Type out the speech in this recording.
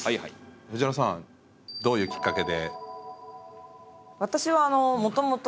藤原さんどういうきっかけで？